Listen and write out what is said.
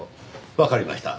わかりました。